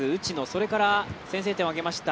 それから先制点を挙げました